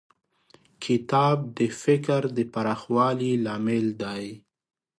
کتاب د فکر د پراخوالي لامل دی.